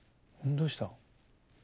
どうした？